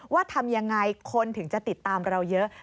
ว่าทำอย่างไรคนถึงจะติดตามเราเยอะ